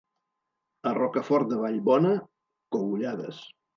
A Rocafort de Vallbona, cogullades.